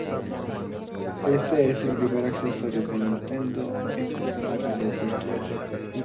Este es el primer accesorio de Nintendo en contener realidad virtual.